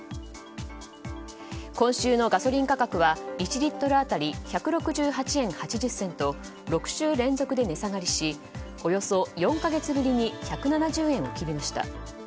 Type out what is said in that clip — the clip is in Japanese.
今週のガソリン価格は１リットル当たり１６８円８０銭と６週連続で値下がりしおよそ４か月ぶりに１７０円を切りました。